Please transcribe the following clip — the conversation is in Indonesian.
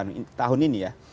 dengan keuntungan ini